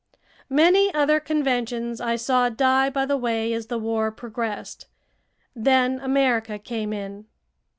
Many other conventions I saw die by the way as the war progressed. Then America came in.